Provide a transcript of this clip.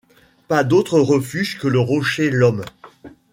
Pas d’autre refuge que le rocher l’Homme.